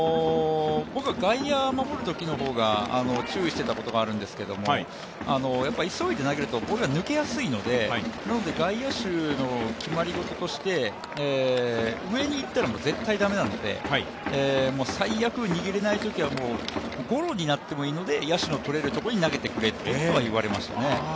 僕は外野を守るときのほうが注意していたことがあるんですけども急いで投げるとボールが抜けやすいので、なので外野手の決まり事として上にいったら絶対駄目なので、最悪、握れないときはゴロになってもいいので野手のとれるところに投げてくれっていうことは言われましたね。